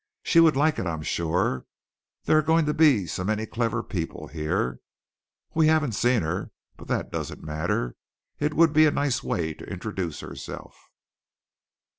She would like it, I'm sure, there are going to be so many clever people here. We haven't seen her, but that doesn't matter. It would be a nice way to introduce herself."